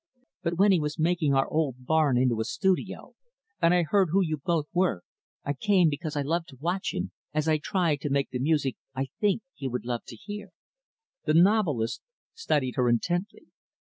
But when he was making our old barn into a studio, and I heard who you both were, I came because I love to watch him; as I try to make the music I think he would love to hear." The novelist studied her intently.